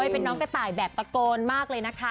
เป็นน้องกระต่ายแบบตะโกนมากเลยนะคะ